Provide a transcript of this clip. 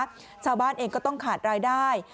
ชาวบ้านเองก็ต้องขาดรายได้